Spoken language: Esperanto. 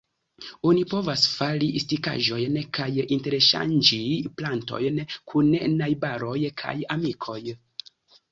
Oni povas fari stikaĵojn kaj interŝanĝi plantojn kun najbaroj kaj amikoj.